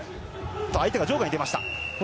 相手が場外にでました。